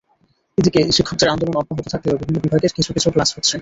এদিকে শিক্ষকদের আন্দোলন অব্যাহত থাকলেও বিভিন্ন বিভাগের কিছু কিছু ক্লাস হচ্ছে।